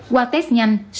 qua test nhanh